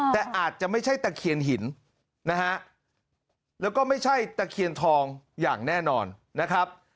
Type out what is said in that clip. แต่อาจจะไม่ใช่ตะเคียนหินนะฮะแล้วก็ไม่ใช่ตะเคียนทองอย่างแน่นอนนะครับ